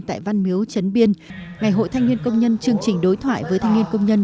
tại văn miếu trấn biên ngày hội thanh niên công nhân chương trình đối thoại với thanh niên công nhân